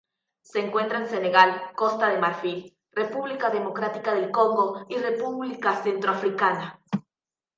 Se encuentra en Senegal, Costa de Marfil, República Democrática del Congo y República Centroafricana.